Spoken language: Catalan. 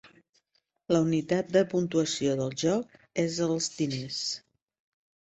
La unitat de puntuació del joc és els "diners".